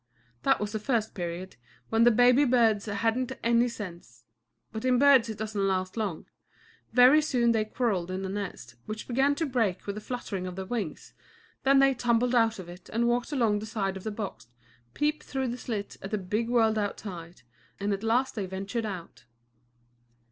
That was the first period, when the baby birds hadn't any sense. But in birds it doesn't last long. Very soon they quarrelled in the nest, which began to break with the fluttering of their wings, then they tumbled out of it and walked along the side of the box, peeped through the slit at the big world outside, and at last they ventured out.